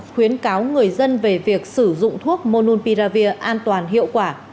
khuyến cáo người dân về việc sử dụng thuốc monopiravir an toàn hiệu quả